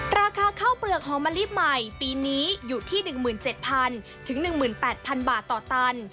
ราคาข้าวเปลือกหอมะลิใหม่ปีนี้อยู่ที่๑๗๐๐๑๘๐๐บาทต่อตัน